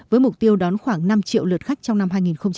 với mục tiêu đón khoảng năm triệu lượt khách trong năm hai nghìn hai mươi